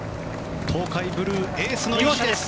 東海ブルーエースの走りです。